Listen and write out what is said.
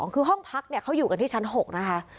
คือห้องพักเขาอยู่กันที่ชั้น๖นะคะ